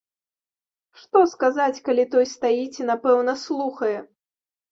Што сказаць, калі той стаіць і, напэўна, слухае.